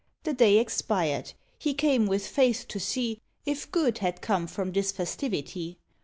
The day expired; he came with faith to see If good had come from this festivity.